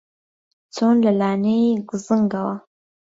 چۆن لە لانەی گزنگەوە